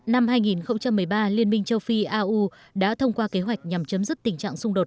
năm hai nghìn một mươi ba liên minh châu phi au đã thông qua kế hoạch nhằm chấm dứt tình trạng xung đột